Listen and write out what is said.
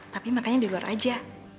tapi makanya di luar aja